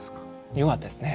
よかったですね。